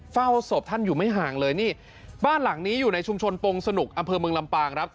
เฝ้าศพท่านอยู่ไม่ห่างเลยนี่บ้านหลังนี้อยู่ในชุมชนปงสนุกอำเภอเมืองลำปางครับ